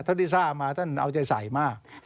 เท่าที่ทราบมาท่านเอาใจใสมาก